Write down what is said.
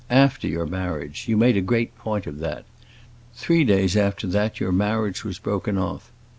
After your marriage—you made a great point of that. Three days after that your marriage was broken off.